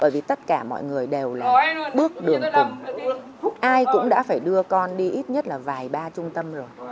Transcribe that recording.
điều là bước đường cùng ai cũng đã phải đưa con đi ít nhất là vài ba trung tâm rồi